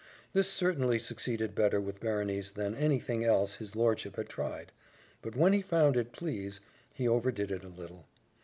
This certainly succeeded better with Berenice than any thing else his lordship had tried; but when he found it please, he overdid it a little.